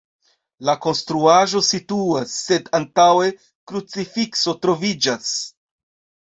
La konstruaĵo situas, sed antaŭe krucifikso troviĝas.